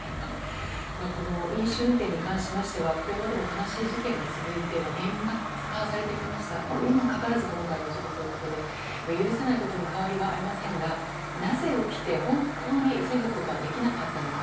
この飲酒運転に関しましてはこれまでも悲しい事件が続いて厳罰化されてきたにもかかわらず今回の事故ということで許せないことに変わりはありませんがなぜ起きて、本当に防ぐことはできなかったのか。